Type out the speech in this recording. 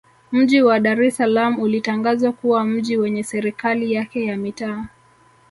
Mji wa Dar es Salaam ulitangazwa kuwa mji wenye Serikali yake ya Mitaa